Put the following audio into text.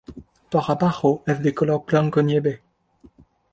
Por abajo es de color blanco nieve.